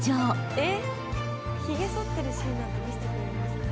ひげそってるシーンなんて見せてくれるんですか？